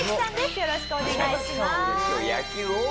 よろしくお願いします。